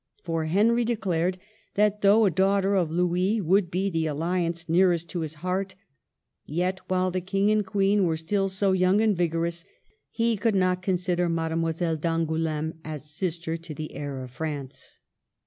For Henry declared that though a daughter of Louis would be the alliance nearest to his heart, yet while the King and Queen were still so young and vigorous he could not consider Mademoiselle d'Angouleme as sister to the heir of France. 24 MARGARET OF ANGOUL^ME.